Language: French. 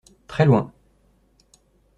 Très loin.